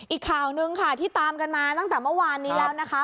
อีกข่าวหนึ่งค่ะที่ตามกันมาตั้งแต่เมื่อวานนี้แล้วนะคะ